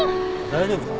大丈夫か？